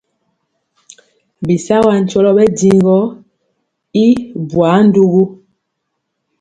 Bisagɔ ankyɔlɔ ɓɛ njiŋ gɔ i bwaa ndugu.